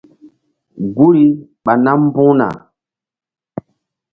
Guri ɓa nam mbu̧h na.